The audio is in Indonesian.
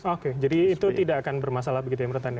oke jadi itu tidak akan bermasalah begitu ya menurut anda